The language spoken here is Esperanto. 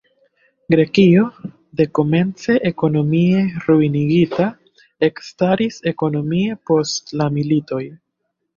Grekio, dekomence ekonomie ruinigita, ekstaris ekonomie post la militoj.